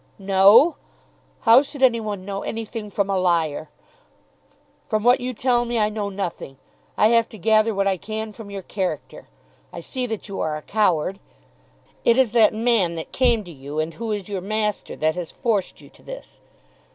"Know! How should any one know anything from a liar? From what you tell me I know nothing. I have to gather what I can from your character. I see that you are a coward. It is that man that came to you, and who is your master, that has forced you to this.